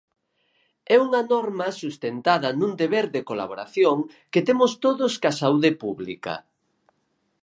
É unha norma sustentada nun deber de colaboración que temos todos coa saúde pública.